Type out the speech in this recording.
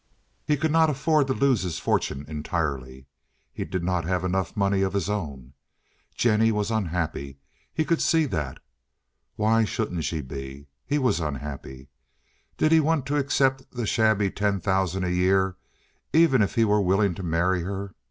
He could not afford to lose his fortune entirely. He did not have enough money of his own. Jennie was unhappy, he could see that. Why shouldn't she be? He was unhappy. Did he want to accept the shabby ten thousand a year, even if he were willing to marry her?